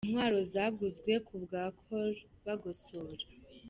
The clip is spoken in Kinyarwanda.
Intwaro zaguzwe ku bwa Col Bagosora.